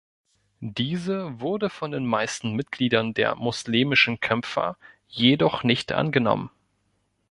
Diese wurde von den meisten Mitgliedern der moslemischen Kämpfer jedoch nicht angenommen.